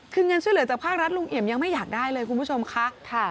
คือเงินช่วยเหลือจากภาครัฐลุงเอี่ยมยังไม่อยากได้เลยคุณผู้ชมค่ะ